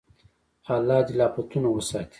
الله دې له افتونو وساتي.